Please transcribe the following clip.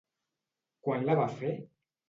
Quan la va fer?